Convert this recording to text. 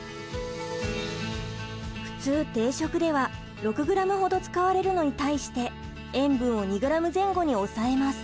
普通定食では６ｇほど使われるのに対して塩分を２ｇ前後に抑えます。